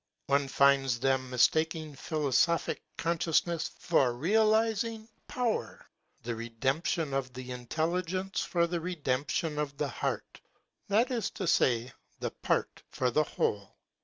One finds them mistaking philosophie con sciousness for realising power, the redemp tion of the intelligence for the redemption of the heart —that is to say, the part for the whole.